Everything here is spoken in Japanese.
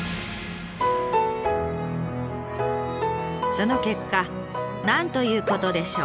その結果なんということでしょう。